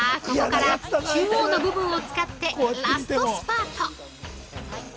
ここから、中央の部分を使ってラストスパート。